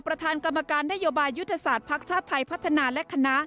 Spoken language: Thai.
ประธานกรรมการนโยบายยุทธศาสตร์ภักดิ์ชาติไทยพัฒนาและคณะ